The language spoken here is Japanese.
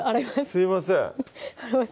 すいません